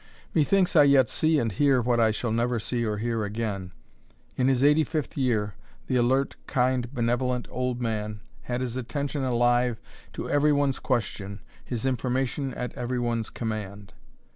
Methinks I yet see and hear what I shall never see or hear again. In his eighty fifth year, the alert, kind, benevolent old man, had his attention alive to every one's question, his information at every one's command.